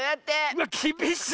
うわっきびしっ！